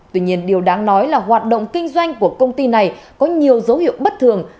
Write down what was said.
tuy nhiên điều đáng nói là hoạt động kinh doanh của công ty này có nhiều dấu hiệu bất thường